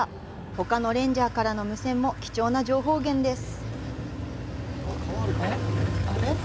ほかのレンジャーからの無線も貴重な情報源です。